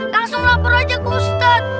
langsung lapor aja ke ustadz